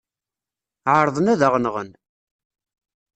Ɛerḍen ad aɣ-nɣen.